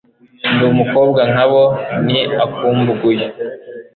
Ndi umukobwa nka bo ni akumbuguyu